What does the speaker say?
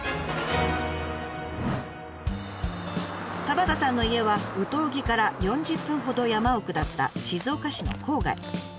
田端さんの家は有東木から４０分ほど山を下った静岡市の郊外。